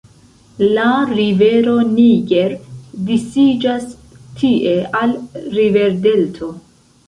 La rivero Niger disiĝas tie al riverdelto.